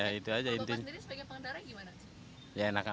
kalau bapak sendiri sebagai pengendaranya gimana